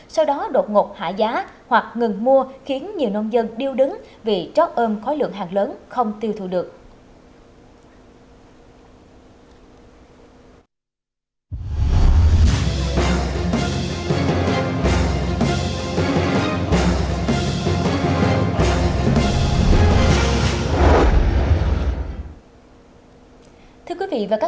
sau đó đột ngột hạ giá hoặc ngừng mua khiến nhiều nông dân điêu đứng vì trót ôm khói lượng hàng lớn không tiêu thụ được